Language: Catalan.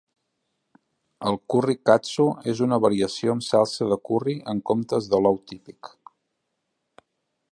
El curri Katsu és una variació amb salsa de curri en comptes de l'ou típic.